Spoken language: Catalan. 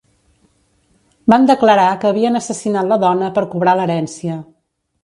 Van declarar que havien assassinat la dona per cobrar l'herència.